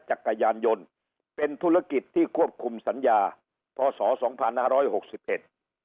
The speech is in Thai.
จักรยานยนต์เป็นธุรกิจที่ควบคุมสัญญาพศสองพันห้าร้อยหกสิบเอ็ด